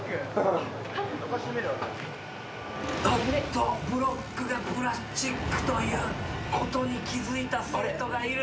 あっとブロックがプラスチックということに気付いた生徒がいる。